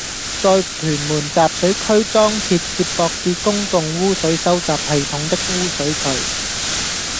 在屯門集水區裝設接駁至公共污水收集系統的污水渠